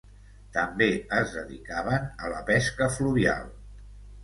També es dedicaven a la pesca fluvial.